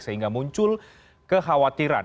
sehingga muncul kekhawatiran